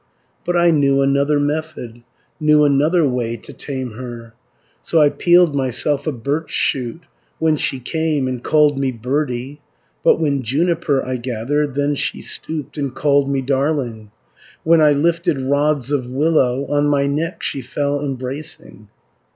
"But I knew another method, Knew another way to tame her, 290 So I peeled myself a birch shoot, When she came, and called me birdie; But when juniper I gathered, Then she stooped, and called me darling; When I lifted rods of willow, On my neck she fell embracing."